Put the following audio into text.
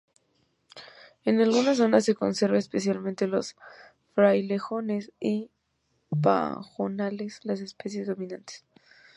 En alguna zona se conserva, especialmente los frailejones y pajonales, las especies dominantes.